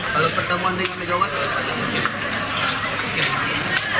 kalau pertemuan dengan megawati